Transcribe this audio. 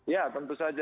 ya tentu saja